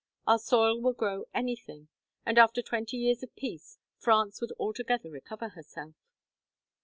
Our soil will grow anything, and after twenty years of peace, France would altogether recover herself."